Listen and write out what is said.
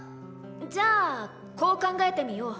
じゃあこう考えてみよう。